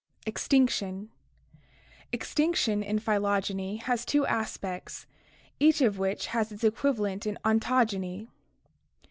J EXTINCTION 1 ! Extinction in phytogeny has two aspects, each of which has its equivalent in ontogeny.